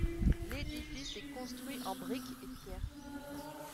L'édifice est construit en brique et pierre.